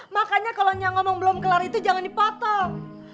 makanya kalo nyangomong belum kelar itu jangan dipotong